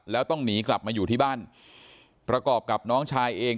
แล้วต้องหนีกลับมาอยู่ที่บ้านประกอบกับน้องชายเอง